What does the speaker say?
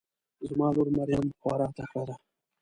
زما لور مريم خواره تکړه ده